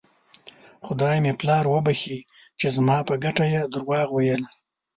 خدای مې پلار وبښي چې زما په ګټه یې درواغ ویل.